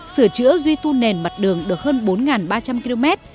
sửa chữa duy tu nền mặt đường được hơn bốn ba trăm linh km